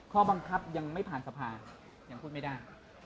ข้อบังคับยังไม่ผ่านสภายังพูดไม่ได้